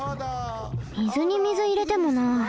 水に水いれてもな。